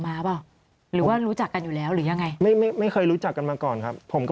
เปล่าหรือว่ารู้จักกันอยู่แล้วหรือยังไงไม่ไม่ไม่เคยรู้จักกันมาก่อนครับผมก็